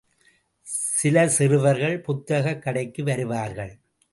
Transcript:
சில சிறுவர்கள் புத்தகக் கடைக்கு வருவார்கள்.